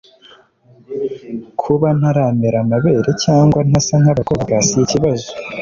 kuba ntaramera amabere cyangwa ntasa nkabakobwa si ikibazo